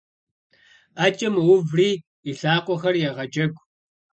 Ӏэкӏэ мэуври и лъакъуэхэр егъэджэгу.